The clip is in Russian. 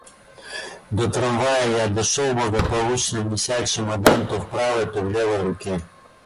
До трамвая я дошел благополучно, неся чемодан то в правой, то в левой руке.